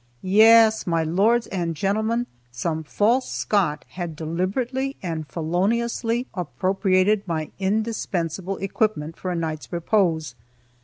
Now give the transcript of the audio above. Yes, my lords and gentlemen, some "false Scot" had deliberately and feloniously appropriated my indispensable equipment for a night's repose.